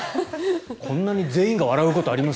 こんなに全員が笑うことあります？